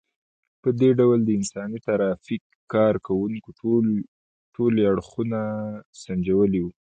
په دې ډول د انساني ترافیک کار کوونکو ټولي اړخونه سنجولي وو.